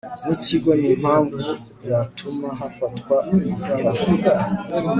n ikigo ni impamvu yatuma hafatwa ibihano